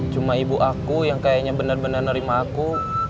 cuma ibu aku yang kayaknya bener bener nerima aku